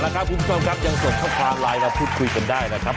แล้วครับคุณผู้ชมครับยังส่งข้อความไลน์มาพูดคุยกันได้นะครับ